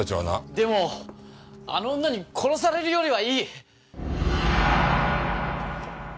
でもあの女に殺されるよりはいい！